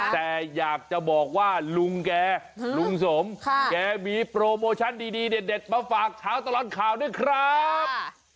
แต่อยากจะบอกว่าลุงแกลุงสมแกมีโปรโมชั่นดีเด็ดมาฝากเช้าตลอดข่าวด้วยครับ